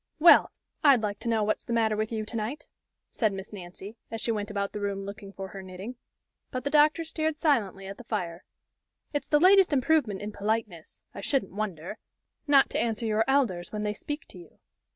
"Well! I'd like to know what's the matter with you to night," said Miss Nancy, as she went about the room looking for her knitting. But the doctor stared silently at the fire. "It's the latest improvement in politeness I shouldn't wonder not to answer your elders when they speak to you."